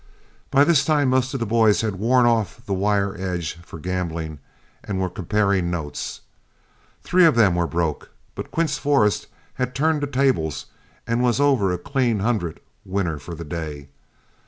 By this time most of the boys had worn off the wire edge for gambling and were comparing notes. Three of them were broke, but Quince Forrest had turned the tables and was over a clean hundred winner for the day.